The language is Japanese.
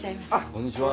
こんにちは。